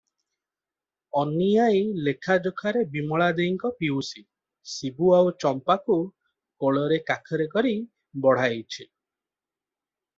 ଅନୀ ଆଈ ଲେଖାଯୋଖାରେ ବିମଳା ଦେଈଙ୍କ ପିଉସୀ, ଶିବୁ ଆଉ ଚମ୍ପାକୁ କୋଳରେ କାଖରେ କରି ବଢ଼ାଇଛି ।